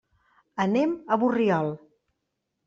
Anem a Borriol.